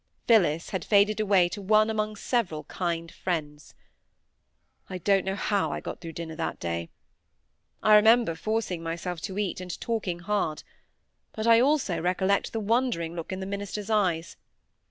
Phillis had faded away to one among several "kind friends". I don't know how I got through dinner that day. I remember forcing myself to eat, and talking hard; but I also recollect the wondering look in the minister's eyes.